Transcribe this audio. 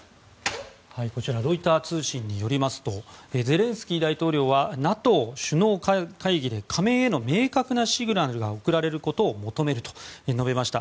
こちらロイター通信によりますとゼレンスキー大統領はＮＡＴＯ首脳会議で加盟への明確なシグナルが送られることを求めると述べました。